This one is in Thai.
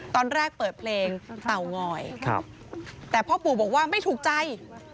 ตอนแรกเปิดเพลงเตางอยแต่พ่อปู่บอกว่าไม่ถูกใจ